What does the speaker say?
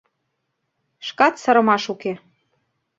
Шкат сырымаш уке.